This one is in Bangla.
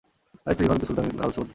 তার স্ত্রী Reema bint Sultan Al Saud.